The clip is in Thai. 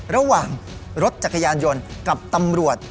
ระหว่างรถจักรยานยนต์กับตำรวจ